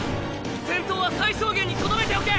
戦闘は最小限にとどめておけ。